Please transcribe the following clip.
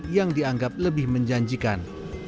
yang dianggap lebih menjanjikan